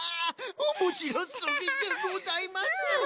おもしろすぎでございます！